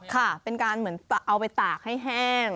ค่ะเป็นการเหมือนเอาไปตากให้แห้ง